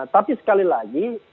tapi sekali lagi